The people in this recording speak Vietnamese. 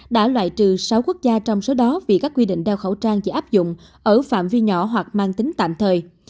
đã loại trừ sáu quốc gia trong số đó vì các quy định đeo khẩu trang chỉ áp dụng ở phạm vi nhỏ hoặc mang tính tạm thời